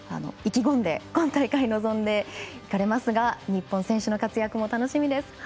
意気込んで今大会に臨んでいかれますが日本選手の活躍も楽しみです。